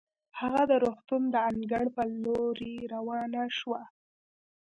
هغه د روغتون د انګړ په لورې روانه شوه.